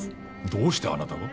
どうしてあなたが？